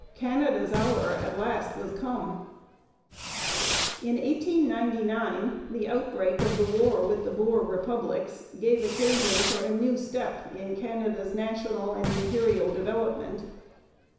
Canada's hour at last was come. In 1899 the outbreak of the war with the Boer republics gave occasion for a new step in Canada's national and imperial development.